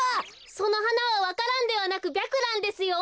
そのはなはわか蘭ではなくビャクランですよ。